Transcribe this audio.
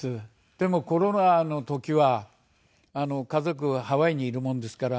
でもコロナの時は家族はハワイにいるもんですから。